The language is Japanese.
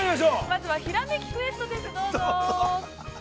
◆まずは「ひらめきクエスト」です、どうぞ。